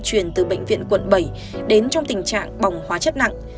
truyền từ bệnh viện quận bảy đến trong tình trạng bỏng hóa chất nặng